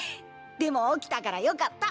でも起きたからよかった。